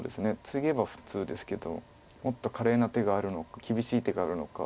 ツゲば普通ですけどもっと華麗な手があるのか厳しい手があるのか。